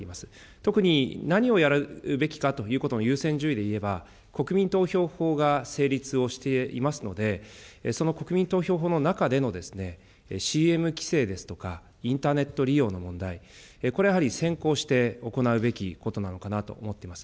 特に何をやるべきかということの優先順位でいえば、国民投票法が成立をしていますので、その国民投票法の中での、ＣＭ規制ですとか、インターネット利用の問題、これはやはり先行して行うべきことなのかなと思っております。